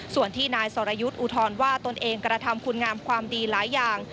ส่วนที่นายสรยุทธ์อุทธรณ์ว่าตนเองกระทำคุณงามความดีหลายอย่าง